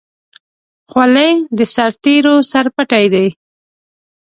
خولۍ د سرتېرو سرپټۍ ده.